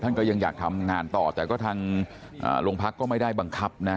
ก็ยังอยากทำงานต่อแต่ก็ทางโรงพักก็ไม่ได้บังคับนะ